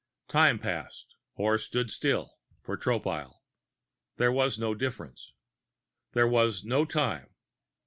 Time passed or stood still for Tropile; there was no difference. There was no time.